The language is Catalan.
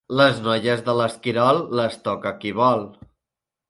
Les noies de l'Esquirol, les toca qui vol.